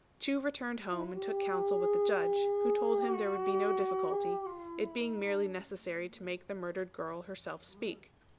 Chu returned home and took counsel with the Judge, who told him there would be no difficulty, it being merely necessary to make the murdered girl herself speak.